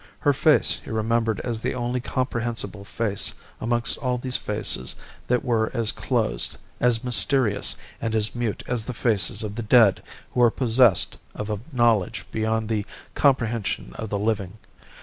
Her face he remembered as the only comprehensible face amongst all these faces that were as closed, as mysterious, and as mute as the faces of the dead who are possessed of a knowledge beyond the comprehension of the living.